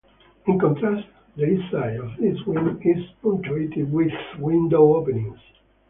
In contrast, the east side of this wing is punctuated with window openings.